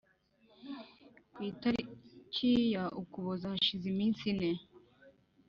Ku itariki ya ukuboza hashize iminsi ine